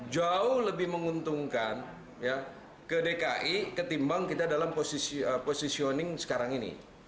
jauh lebih menguntungkan ke dki ketimbang kita dalam positioning sekarang ini